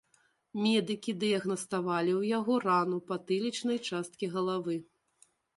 Медыкі дыягнаставалі ў яго рану патылічнай часткі галавы.